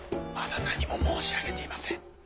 まだ何も申し上げていません。